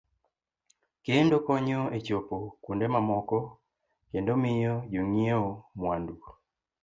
Kendo konyo e chopo kuonde mamoko kendo miyo jo ng'iewo mwandu.